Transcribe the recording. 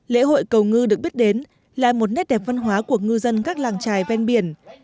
lễ hội cầu ngư được biết đến là một nét đẹp văn hóa của ngư dân các làng trài ven biển